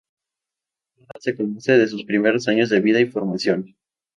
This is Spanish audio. Nada se conoce de sus primeros años de vida y formación.